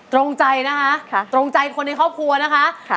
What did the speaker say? ตรงใจนะคะตรงใจคนในครอบครัวนะคะ